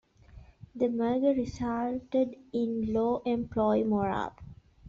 The merger resulted in low employee morale.